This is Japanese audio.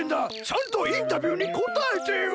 ちゃんとインタビューにこたえてよ！